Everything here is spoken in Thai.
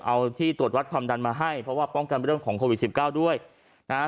เอาที่ตรวจวัดความดันมาให้เพราะว่าป้องกันเรื่องของโควิดสิบเก้าด้วยนะฮะ